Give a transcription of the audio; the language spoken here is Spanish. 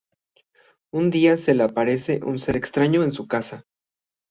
Un día se le aparece un ser extraño en su casa.